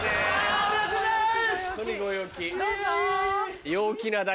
ありがとうございます！